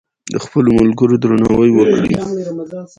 د خپلو ملګرو درناوی وکړئ.